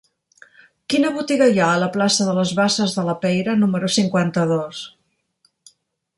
Quina botiga hi ha a la plaça de les Basses de la Peira número cinquanta-dos?